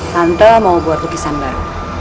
tante mau buat lukisan baru